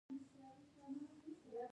روهیت شرما د ټي ټوئنټي نړۍوال لوبغاړی دئ.